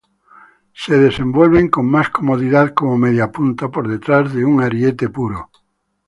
Se desenvuelve con más comodidad como mediapunta, por detrás de un ariete puro.